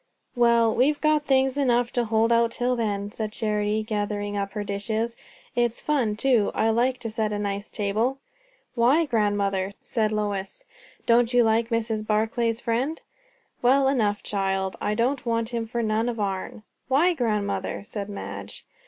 "Well, we've got things enough to hold out till then," said Charity, gathering up her dishes. "It's fun, too; I like to set a nice table." "Why, grandmother?" said Lois. "Don't you like Mrs. Barclay's friend?" "Well enough, child. I don't want him for none of our'n." "Why, grandmother?" said Madge.